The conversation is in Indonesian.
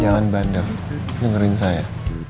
jangan bander dengerin saya